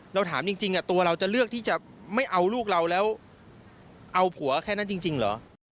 เราถามจริงตัวเราจะเลือกที่จะไม่เอาลูกเราแล้วเอาผัวแค่นั้นจริงเหรอ